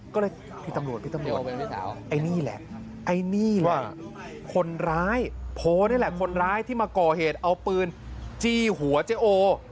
ก็เลยพี่ตำรวจพี่ตำรวจไอ้นี่แหละไอ้นี่แหละคนร้ายโพนี่แหละคนร้ายที่มาก่อเหตุเอาปืนจี้หัวเจ๊โอ